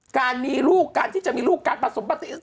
การมีลูกการที่จะมีลูกการประสบประสิทธิ์